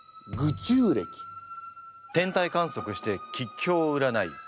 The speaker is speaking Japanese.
天体観測して吉凶を占い